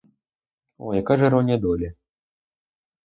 О, яка ж іронія долі!